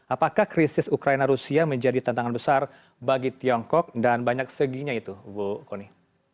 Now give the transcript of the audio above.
apakah krisis ukraina rusia menjadi tantangan besar bagi tiongkok dan banyak seginya itu bu kony